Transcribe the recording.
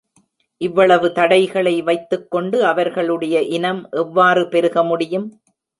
இவ்வளவு தடைகளை வைத்துக்கொண்டு, அவர்களுடைய இனம் எவ்வாறு பெருக முடியும்?